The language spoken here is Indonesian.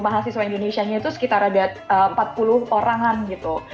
mahasiswa indonesianya itu sekitar ada empat puluh orangan gitu